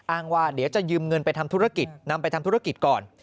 ว่าเดี๋ยวจะยืมเงินไปทำธุรกิจนำไปทำธุรกิจก่อน